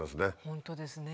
本当ですね。